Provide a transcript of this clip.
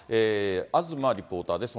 東リポーターです。